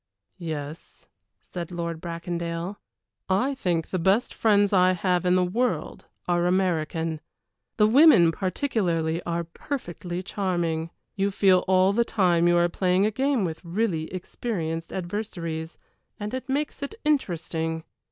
"Yes," said Lord Bracondale. "I think the best friends I have in the world are American. The women particularly are perfectly charming. You feel all the time you are playing a game with really experienced adversaries, and it makes it interesting.